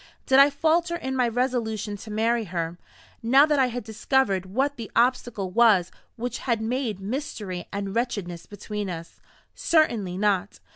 Did I falter in my resolution to marry her, now that I had discovered what the obstacle was which had made mystery and wretchedness between us? Certainly not.